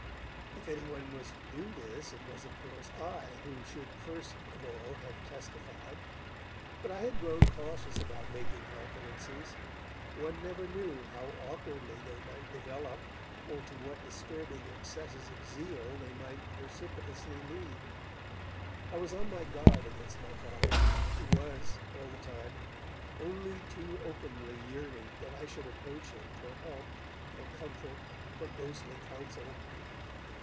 If any one was to do this, it was of course I who should first of all have 'testified'. But I had grown cautious about making confidences. One never knew how awkwardly they might develop or to what disturbing excesses of zeal they might precipitously lead. I was on my guard against my Father, who was, all the time, only too openly yearning that I should approach him for help, for comfort, for ghostly counsel.